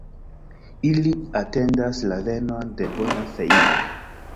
Ili atendas la venon de bona feino.